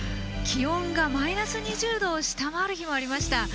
気温がマイナス２０度を下回る日もありました。